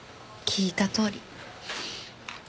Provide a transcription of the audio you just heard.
聞いたとおり。